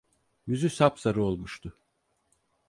Yüzü sapsarı olmuştu: